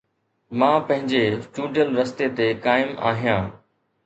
مان پنهنجي چونڊيل رستي تي قائم آهيان